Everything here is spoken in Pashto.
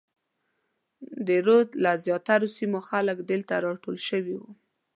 د رود له زیاترو سیمو خلک دلته راټول شوي وو.